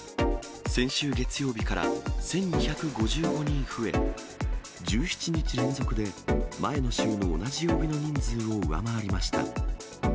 先週月曜日から１２５５人増え、１７日連続で、前の週の同じ曜日の人数を上回りました。